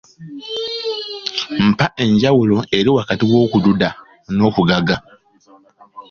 Mpa enjawulo eri wakati w’okududa n’okugaga?